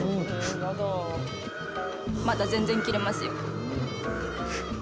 まだ全然着れますよ。